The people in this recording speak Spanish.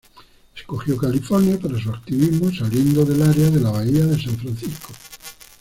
Escogió California para su activismo, saliendo del área de la Bahía del San Francisco.